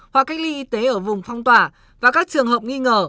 hoặc cách ly y tế ở vùng phong tỏa và các trường hợp nghi ngờ